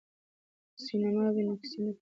که سینما وي نو کیسه نه پاتیږي.